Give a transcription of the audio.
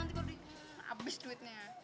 nanti kalo dia hmm abis duitnya